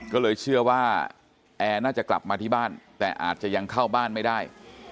ก็เลยเชื่อว่าแอร์น่าจะกลับมาที่บ้านแต่อาจจะยังเข้าบ้านไม่ได้